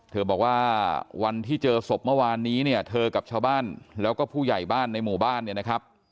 บอกว่าวันที่เจอศพเมื่อวานนี้เนี่ยเธอกับชาวบ้านแล้วก็ผู้ใหญ่บ้านในหมู่บ้านเนี่ยนะครับ